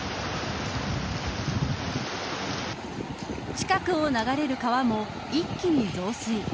近くを流れる川も、一気に増水。